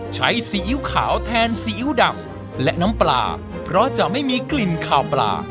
ซีอิ๊วขาวแทนซีอิ๊วดำและน้ำปลาเพราะจะไม่มีกลิ่นขาวปลา